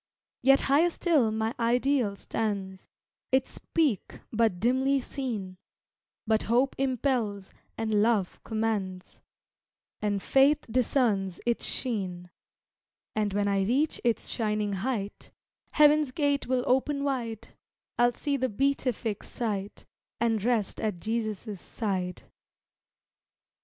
Yet higher still my ideal stands, Its peak but dimly seen, But hope impels, and love commands, And faith discerns its sheen; And when I reach its shining height Heaven's gate will open wide; I'll see the beatific sight, And rest at Jesus' side.